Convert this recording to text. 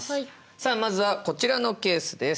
さあまずはこちらのケースです。